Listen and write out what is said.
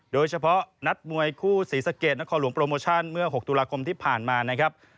โดยเฉพาะนัดมวยคู่ศรีสะเกดนครหลวงโปรโมชั่นเมื่อ๖ตุลาคมที่ผ่านมานะครับ